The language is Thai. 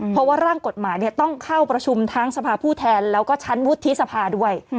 เพราะว่าร่างกฎหมายต้องเข้าประชุมทั้งสภาผู้แทนแล้วก็ชั้นวุฒิสภาด้วย